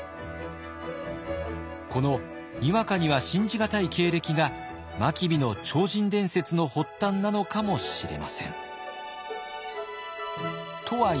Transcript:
このにわかには信じがたい経歴が真備の超人伝説の発端なのかもしれません。